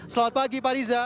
selamat pagi pak riza